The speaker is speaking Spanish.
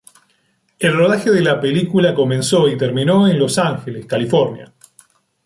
El rodaje de la película comenzó y terminó en Los Ángeles, California.